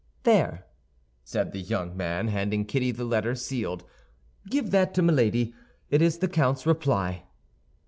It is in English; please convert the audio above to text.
"There," said the young man, handing Kitty the letter sealed; "give that to Milady. It is the count's reply."